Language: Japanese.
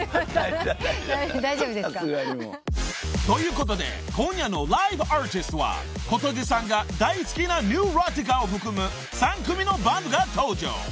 ［ということで今夜のライブアーティストは小峠さんが大好きなニューロティカを含む３組のバンドが登場。